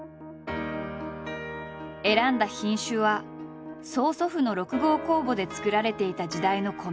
選んだ品種は曽祖父の６号酵母で作られていた時代の米。